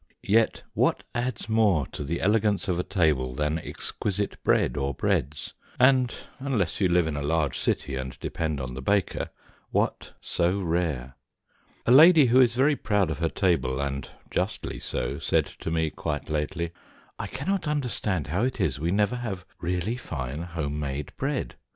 Yet what adds more to the elegance of a table than exquisite bread or breads, and unless you live in a large city and depend on the baker what so rare? A lady who is very proud of her table, and justly so, said to me quite lately, "I cannot understand how it is we never have really fine home made bread.